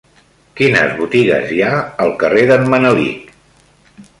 Quines botigues hi ha al carrer d'en Manelic?